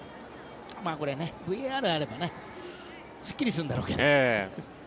これ、ＶＡＲがあればすっきりするんだろうけど。